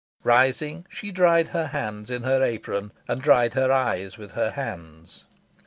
Rising, she dried her hands in her apron, and dried her eyes with her hands.